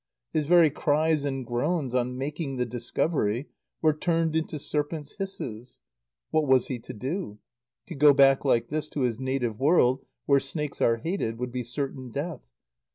His very cries and groans, on making the discovery, were turned into serpent's hisses. What was he to do? To go back like this to his native world, where snakes are hated, would be certain death.